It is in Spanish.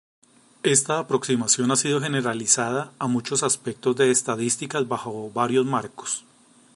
Esta aproximación ha sido generalizada a muchos aspectos de estadísticas bajo varios marcos.